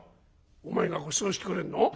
「お前がごちそうしてくれるの？